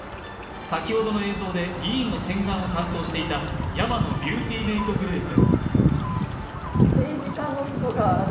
先ほどの映像で議員の洗顔を担当していたヤマノビューティーメイトグループ。